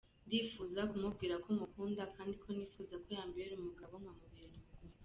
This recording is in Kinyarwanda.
Ndifuza kumubwira ko mukunda kandi ko nifuza ko yambera umugabo nkamubera umugore.